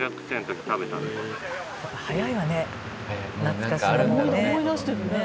早いわね。